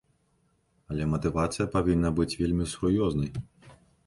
Але матывацыя павінна быць вельмі сур'ёзнай.